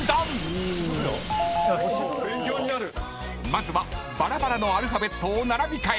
［まずはばらばらのアルファベットを並び替え］